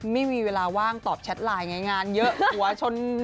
ไม่มีเวลาว่างตอบแชทไลน์ไงงานเยอะหัวชน